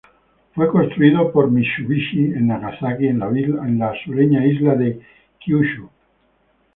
Fue construido por "Mitsubishi" en Nagasaki, en la sureña isla de Kyushu.